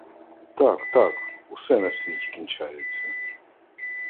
Так, так, усе на світі кінчається!